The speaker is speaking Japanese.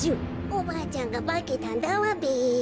おばあちゃんがばけたんだわべ。